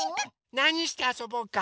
なにしてあそぼうか？